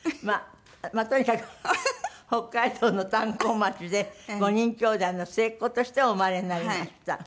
まあとにかく北海道の炭鉱町で５人きょうだいの末っ子としてお生まれになりました。